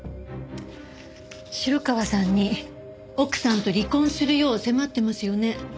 城川さんに奥さんと離婚するよう迫ってますよね？